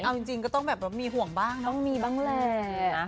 เอาจริงก็ต้องแบบว่ามีห่วงบ้างนะต้องมีบ้างแหละ